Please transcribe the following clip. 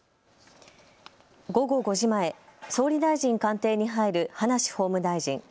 午後５時前、総理大臣官邸に入る葉梨法務大臣。